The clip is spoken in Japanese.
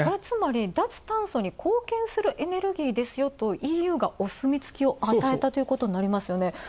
つまり脱炭素に貢献するエネルギーですよとＥＵがお墨付きを与えたということになりますよね。